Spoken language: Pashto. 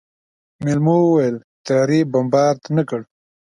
مېلمو وويل طيارې بمبارد نه کړ.